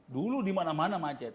dulu dimana mana macet